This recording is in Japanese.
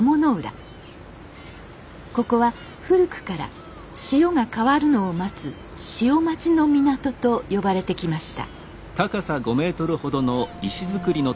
ここは古くから潮が変わるのを待つ「潮待ちの港」と呼ばれてきました。